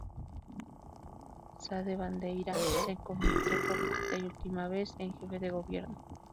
Sá da Bandeira se convirtió por quinta y última vez, en jefe de gobierno.